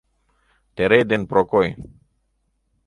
Терей ден Прокой.